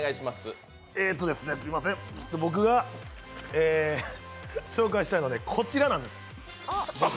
僕が紹介したいのはこちらなんです。